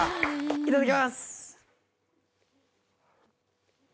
いただきます。